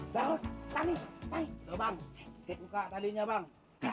bang bang buka tadinya bang